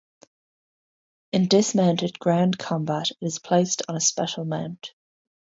In dismounted ground combat it is placed on a special mount.